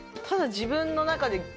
ただ自分の中で。